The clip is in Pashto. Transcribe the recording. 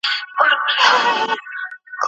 ښه خلک د تقوا په لاره ثابت قدمه وي.